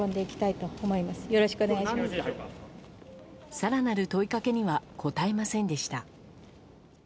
更なる問いかけには答えませんでした。